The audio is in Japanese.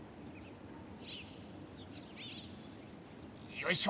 よいしょ。